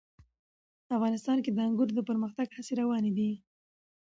افغانستان کې د انګورو د پرمختګ هڅې روانې دي.